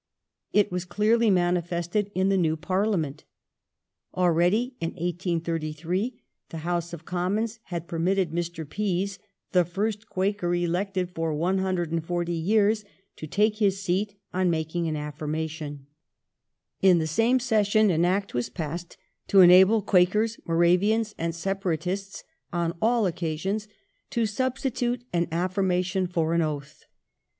It was clearly manifested in the new Parliament. Already in 1833 the House of Commons had permitted Mr. Pease — the first Quaker elected for 1 40 yeai"s — to take his seat on making an affirmation. In the same session an Act was passed to enable Quakers, Moravians, and Separatists on all occasions to substitute an affirmation for an oath.